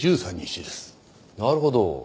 なるほど。